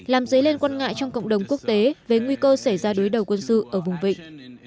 làm dấy lên quan ngại trong cộng đồng quốc tế về nguy cơ xảy ra đối đầu quân sự ở vùng vịnh